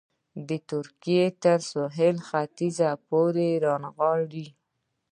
د ترکیې تر سوېل ختیځ پورې رانغاړي.